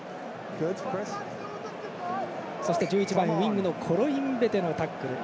そして１１番のコロインベテのタックル。